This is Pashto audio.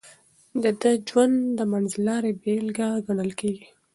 د ده ژوند د منځلارۍ بېلګه ګڼل کېږي.